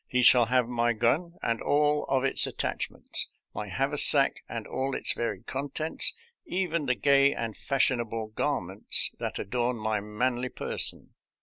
He shall have my gun and all of its attachments, my haversack and all its varied contents, even the gay and fashionable garments that adorn my manly per son.